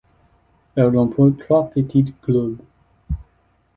Elle remporte trois petits globes.